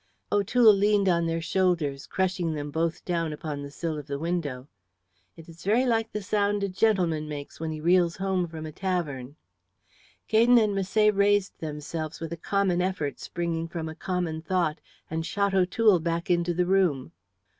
O'Toole leaned on their shoulders, crushing them both down upon the sill of the window. "It is very like the sound a gentleman makes when he reels home from a tavern." Gaydon and Misset raised themselves with a common effort springing from a common thought and shot O'Toole back into the room.